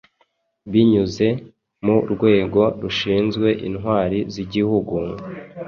binyuze mu Rwego Rushinzwe Intwari z’Igihugu,